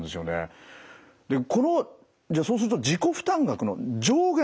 でこのじゃあそうすると自己負担額の上限